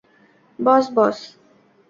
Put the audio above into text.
বস, বস।